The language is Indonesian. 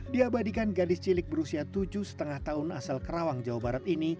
diabadikan gadis cilik berusia tujuh lima tahun asal kerawang jawa barat ini